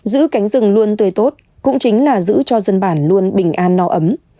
giữ cánh rừng luôn tươi tốt cũng chính là giữ cho dân bản luôn bình an no ấm